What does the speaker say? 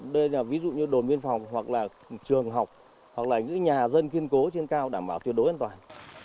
đây là ví dụ như đồn biên phòng hoặc là trường học hoặc là những nhà dân kiên cố trên cao đảm bảo tuyệt đối an toàn